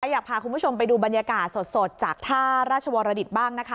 อยากพาคุณผู้ชมไปดูบรรยากาศสดจากท่าราชวรดิตบ้างนะคะ